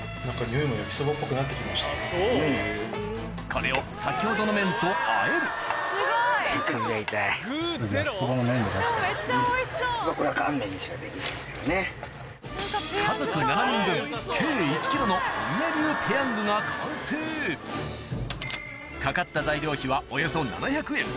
これを先ほどの麺とあえるが完成かかった材料費はおよそ７００円